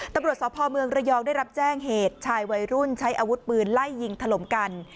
ตำรวจสพเมืองระยองได้รับแจ้งเหตุชายวัยรุ่นใช้อาวุธปืนไล่ยิงถล่มกัน